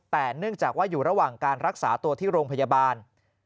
แต่เนื่องจากว่าอยู่ระหว่างการรักษาตัวที่โรงพยาบาล